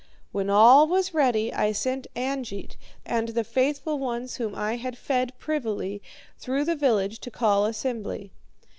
"When all was ready, I sent Angeit, and the faithful ones whom I had fed privily, through the village to call assembly.